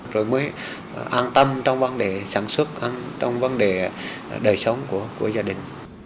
rồi mới an tâm trong vấn đề sản xuất trong vấn đề đời sống của gia đình